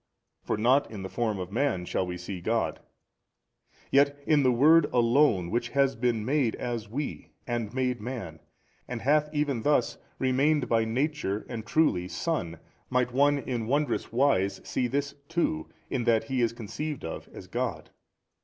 for not in the form of man shall we see God: yet in the Word Alone Which has been made as we and made Man and hath even |295 thus remained by Nature and truly Son, might one in wondrous wise see this too, in that He is conceived of as God.